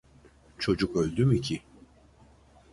Çocuk öldü mü ki?